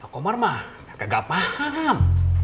komar mah kagak paham